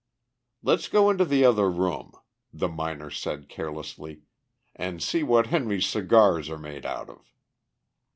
"Let's go into the other room," the miner said carelessly, "and see what Henry's cigars are made out of."